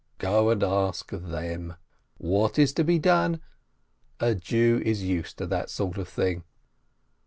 Go and ask them. What is to be done? A Jew is used to that sort of thing.